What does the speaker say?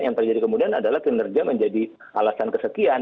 yang terjadi kemudian adalah kinerja menjadi alasan kesekian